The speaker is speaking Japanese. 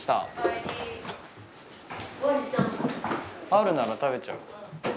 あるなら食べちゃう。